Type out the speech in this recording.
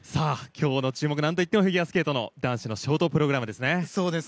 今日の注目はなんといってもフィギュアスケートの男子ショートプログラムです。